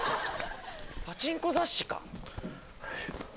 パチンコ雑誌か。